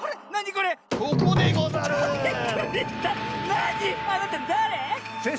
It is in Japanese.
なに⁉あなただれ⁉せっ